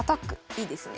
いいですね。